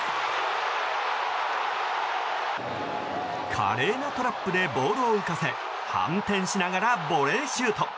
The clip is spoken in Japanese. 華麗なトラップでボールを浮かせ反転しながらボレーシュート。